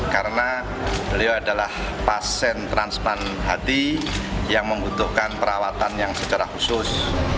karena beliau adalah pasien transman hati yang membutuhkan perawatan yang secara khusus